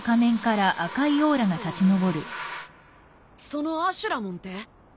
そのアシュラモンって？